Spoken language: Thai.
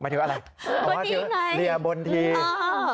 ท่านที่ฉันอยู่ด้วยมีคนอ่านแบบนี้ที่ฉันจะหันไปถามว่า